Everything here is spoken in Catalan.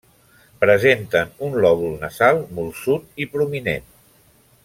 Presenten un lòbul nasal molsut i prominent.